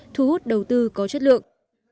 thu hút đầu tư có chất lượng